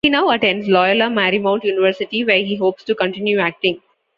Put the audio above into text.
He now attends Loyola Marymount University, where he hopes to continue acting.